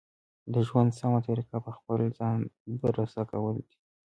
د ژوند سمه طریقه په خپل ځان بروسه کول دي.